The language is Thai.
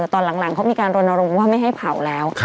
ตอนหลังเขามีการรณรงค์ว่าไม่ให้เผาแล้ว